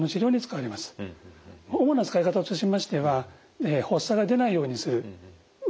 主な使い方としましては発作が出ないようにする使い方。